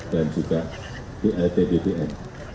dan juga bbm